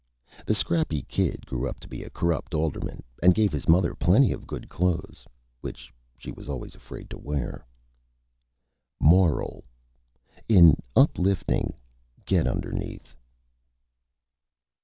The Scrappy Kid grew up to be a Corrupt Alderman, and gave his Mother plenty of Good Clothes, which she was always afraid to wear. MORAL: _In uplifting, get underneath.